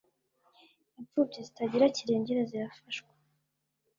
Impfubyi zitagira kirengera zirafashwa